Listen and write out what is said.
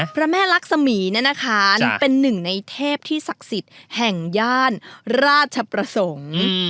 พระแม่ลักษมีเนี่ยนะคะเป็นหนึ่งในเทพที่ศักดิ์สิทธิ์แห่งย่านราชประสงค์